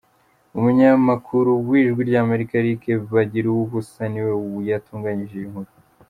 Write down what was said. Umunyamakuru w’Ijwi ry’Amerika Eric Bagiruwubusa ni we yatunganije iyi nkuru